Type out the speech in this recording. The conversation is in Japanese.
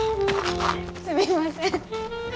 すみません。